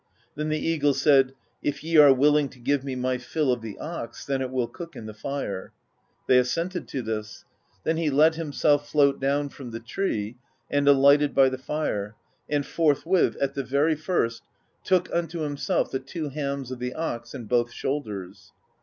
Then the eagle said: "If ye are willing to give me my fill of the ox, then it will cook in the fire." They assented to this. Then he let him self float down from the tree and alighted by the fire, and forthwith at the very first took unto himself the two hams of the ox, and both shoulders.